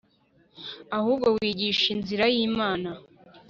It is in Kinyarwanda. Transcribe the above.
ahubwo wigisha inzira y Imana